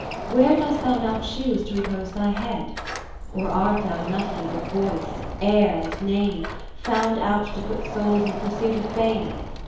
Where dost thou now choose to re pose thy head ? Or art thou nothing but voice, air and name, Found out to put souls in pursuit of fame